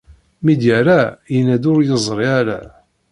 Mi d-yerra yenna-d ur yeẓri ara.